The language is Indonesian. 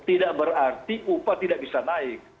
tidak berarti upah tidak bisa naik